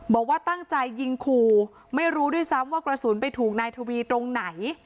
บอกว่าตั้งใจยิงขู่ไม่รู้ด้วยซ้ำว่ากระสุนไปถูกนายทวีตรงไหน